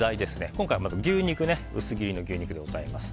今回はまず薄切りの牛肉です。